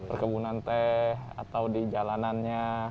perkebunan teh atau di jalanannya